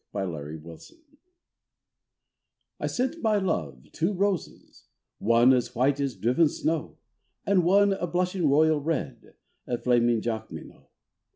The White Flag I sent my love two roses, one As white as driven snow, And one a blushing royal red, A flaming Jacqueminot.